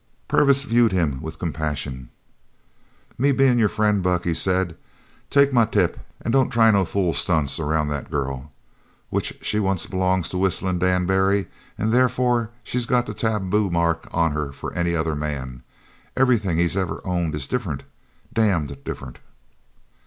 Purvis viewed him with compassion. "Me bein' your friend, Buck," he said, "take my tip an' don't try no fool stunts around that girl. Which she once belongs to Whistlin' Dan Barry an' therefore she's got the taboo mark on her for any other man. Everything he's ever owned is different, damned different!"